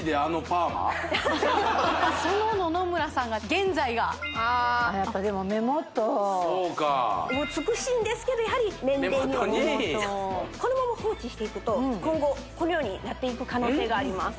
その野々村さんが現在があっやっぱでも目元そうかお美しいんですけどやはり年齢にはこのまま放置していくと今後このようになっていく可能性があります